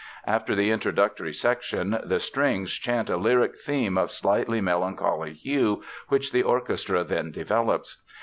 After the introductory section, the strings chant a lyric theme of slightly melancholy hue, which the orchestra then develops.